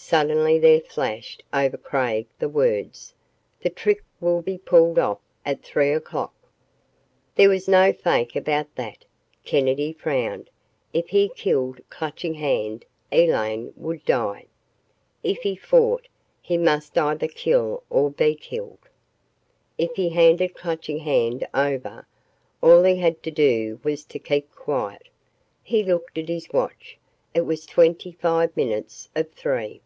Suddenly there flashed over Craig the words: "THE TRICK WILL BE PULLED OFF AT THREE O'CLOCK!" There was no fake about that. Kennedy frowned. If he killed Clutching Hand, Elaine would die. If he fought, he must either kill or be killed. If he handed Clutching Hand over, all he had to do was to keep quiet. He looked at his watch. It was twenty five minutes of three.